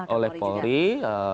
oleh polri juga